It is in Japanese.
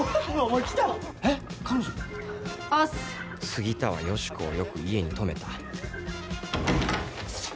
杉田はヨシコをよく家に泊めた寒。